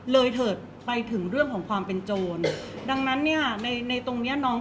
เพราะว่าสิ่งเหล่านี้มันเป็นสิ่งที่ไม่มีพยาน